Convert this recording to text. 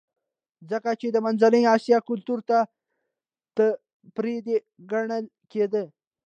ځکه چې د منځنۍ اسیا کلتور ته پردی ګڼل کېده